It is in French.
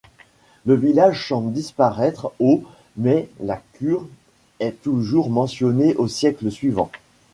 Le village semble disparaître au mais la cure est toujours mentionnée au siècle suivant.